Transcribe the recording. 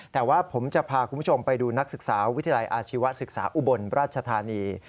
แต่ว่าผมจะพาคุณผู้ชมไปดูนักศึกษาวิทยาลัยอาชีวศึกษาอุบลราชธานี